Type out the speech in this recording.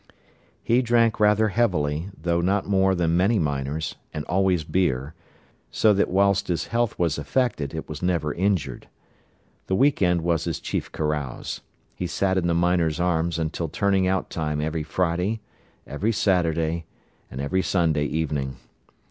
He drank rather heavily, though not more than many miners, and always beer, so that whilst his health was affected, it was never injured. The week end was his chief carouse. He sat in the Miners' Arms until turning out time every Friday, every Saturday, and every Sunday evening.